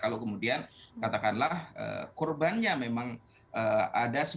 kalau kemudian katakanlah korbannya memang ada